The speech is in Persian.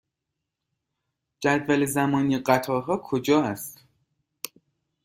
جدول زمانی قطارها کجا است؟